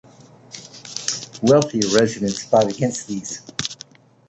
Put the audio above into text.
Wealthier residents fought against these.